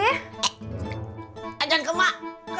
tapi minta sama emak aja ya